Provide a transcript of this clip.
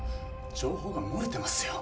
情報が漏れてますよ